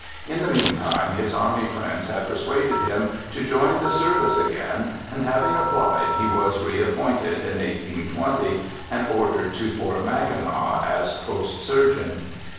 In the meantime his army friends had persuaded him to join the service again, and, having applied, he was reappointed, in 1820, and ordered to Ft. Mackinac as post surgeon.